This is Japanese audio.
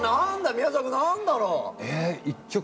宮沢君何だろう？